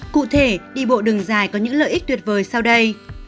cụ thể đi bộ đường dài có những lợi ích tuyệt vời sau đây